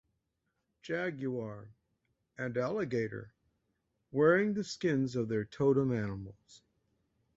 "Jaguar" and "Alligator," wearing the skins of their totem animals.